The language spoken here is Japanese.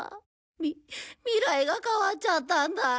み未来が変わっちゃったんだ。